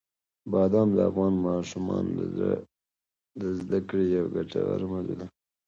بادام د افغان ماشومانو د زده کړې یوه ګټوره موضوع ده.